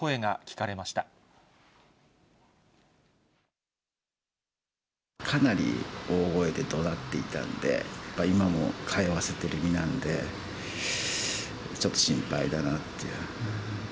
かなり大声でどなっていたんで、今も通わせている身なので、ちょっと心配だなっていう。